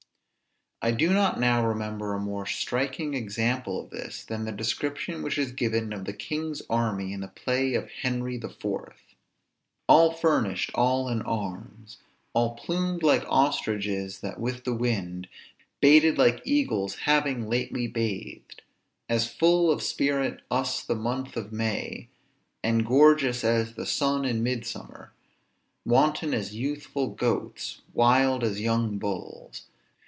I do not now remember a more striking example of this, than the description which is given of the king's army in the play of Henry IV.: "All furnished, all in arms, All plumed like ostriches that with the wind Baited like eagles having lately bathed: As full of spirit us the month of May, And gorgeous as the sun in midsummer, Wanton as youthful goats, wild as young bulls.